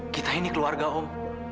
kita ini keluarga om